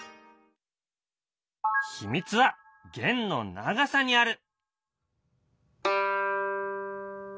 秘密は弦の長さにある。